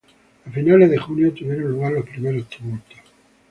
A finales de junio tuvieron lugar los primeros tumultos.